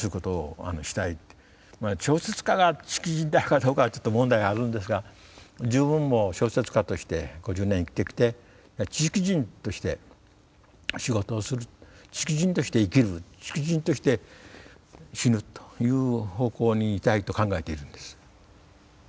まあ小説家が知識人だかどうかはちょっと問題があるんですが自分も小説家として５０年生きてきて知識人として仕事をする知識人として生きる知識人として死ぬという方向にいたいと考えているんです。